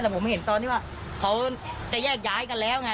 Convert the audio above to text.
แต่ผมเห็นตอนที่ว่าเขาจะแยกย้ายกันแล้วไง